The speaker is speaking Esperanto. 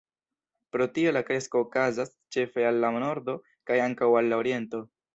Pro tio la kresko okazas ĉefe al la nordo kaj ankaŭ al la oriento.